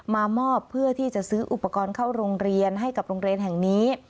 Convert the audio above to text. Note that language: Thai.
มามอบเพื่อที่จะซื้ออุปกรณ์เข้าโรงเรียนให้กับโรงเรียนแห่งนี้